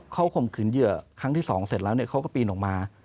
เขาข่มขืนเหยื่อครั้งที่๒เสร็จแล้วเขาก็ปีนออกมา